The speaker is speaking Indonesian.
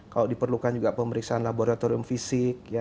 kalau diperlukan juga pemeriksaan laboratorium fisik ya